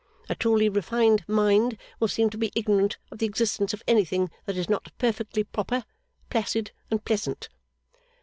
A truly refined mind will seem to be ignorant of the existence of anything that is not perfectly proper, placid, and pleasant.